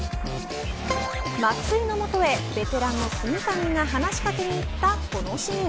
松井の元へベテランの炭谷が話し掛けに行ったこのシーン。